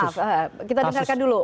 kita dengarkan dulu